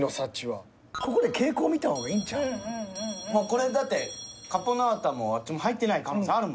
これだってカポナータもあっちも入ってない可能性あるもんね。